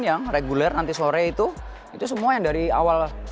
yang reguler nanti sore itu itu semua yang dari awal